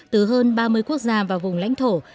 từ hơn ba mươi quốc gia và vùng lãnh thổ